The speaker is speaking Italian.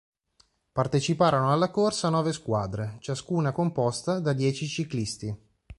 Parteciparono alla corsa nove squadre, ciascuna composta da dieci ciclisti.